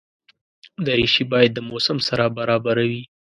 دریشي باید د موسم سره برابره وي.